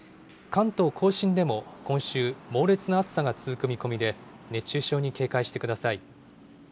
関東甲信でも今週、猛烈な暑さが続く見込みで、熱中症に警戒してください。